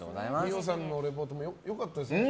二葉さんにリポートも良かったですね。